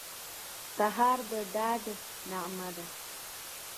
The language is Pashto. سهار د ډاډ نغمه ده.